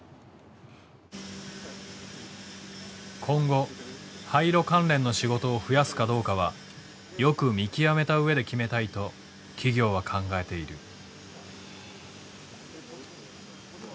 今後廃炉関連の仕事を増やすかどうかはよく見極めた上で決めたいと企業は考えている。